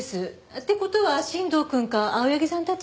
って事は新藤くんか青柳さんたち？